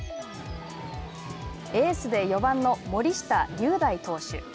エースで４番の森下瑠大投手。